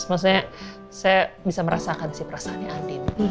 maksudnya saya bisa merasakan sih perasaannya andin